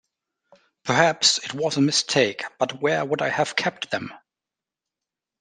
Perhaps it was a mistake, but where would I have kept them?